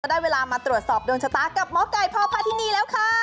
ได้เวลามาตรวจสอบดวงชะตากับหมอไก่พอพาทินีแล้วค่ะ